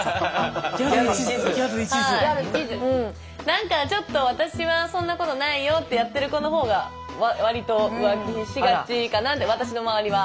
何かちょっと私はそんなことないよってやってる子の方が割と浮気しがちかなって私の周りは。